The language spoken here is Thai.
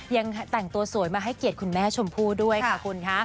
ยังแต่งตัวสวยมาให้เกียรติคุณแม่ชมพู่ด้วยค่ะคุณค่ะ